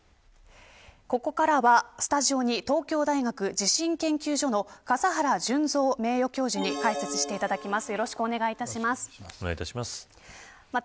ここからはスタジオに東京大学地震研究所の笠原順三名誉教授に解説していただきます。